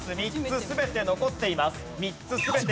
３つ全て残っています。